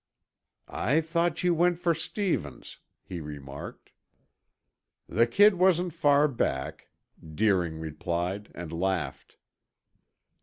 "I thought you went for Stevens," he remarked. "The kid wasn't far back," Deering replied and laughed.